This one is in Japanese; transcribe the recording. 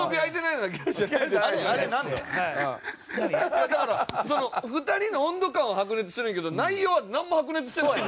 いやだから２人の温度感は白熱するんやけど内容はなんも白熱してない。